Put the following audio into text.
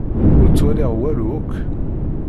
Ur ttwaliɣ walu akk.